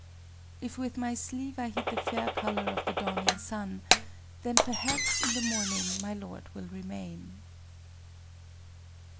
["_If with my sleeve I hid the faint fair color of the dawning sun,—then, perhaps, in the morning my lord will remain.